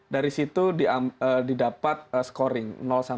dari situ didapat scoring